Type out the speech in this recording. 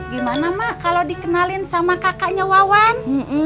gimana mak kalau dikenalin sama kakaknya wawan